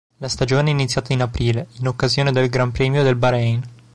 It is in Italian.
La stagione è iniziata in aprile, in occasione del Gran Premio del Bahrein.